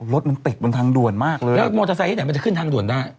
รถมันติดบนทางด่วนมากเลยแล้วมอเตอร์ไซค์ที่ไหนมันจะขึ้นทางด่วนได้